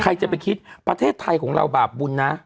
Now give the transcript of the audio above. ใครจะไปคิดประเทศไทยของเราบาปบุญนะ